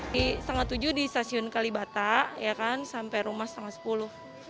di tanggal tujuh di stasiun kalibata sampai rumah tanggal sepuluh